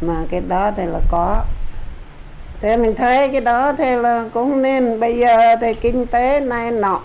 mà cái đó thì là có thế mình thấy cái đó thì là cũng nên bây giờ thì kinh tế này nọ